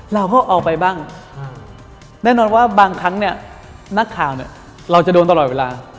เราก็ออกไปบ้างแน่นอนว่าบางครั้งเนี่ยนักข่าวเนี่ยเราจะโดนตลอดเวลา